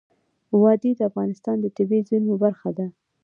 وادي د افغانستان د طبیعي زیرمو برخه ده.